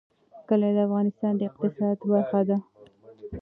کلي د افغانستان د اقتصاد برخه ده.